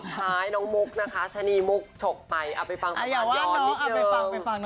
สุดท้ายน้องมุกนะคะชะนีมุกฉกไปเอาไปฟังภวัตยาวนิดนึง